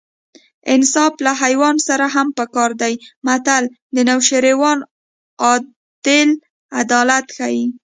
انصاف له حیوان سره هم په کار دی متل د نوشیروان عادل عدالت ښيي